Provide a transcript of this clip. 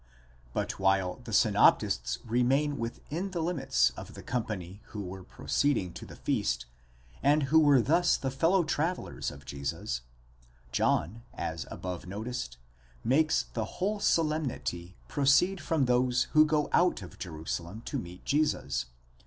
But while the synoptists remain within the limits of the company who were proceeding to the feast, and who were thus the fellow travellers of Jesus, John, as above noticed, makes the whole solemnity pro ceed from those who go out of Jerusalem to meet Jesus (v.